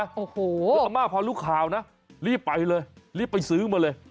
คืออาม่าพอรู้ข่าวนะรีบไปเลยรีบไปซื้อมาเลย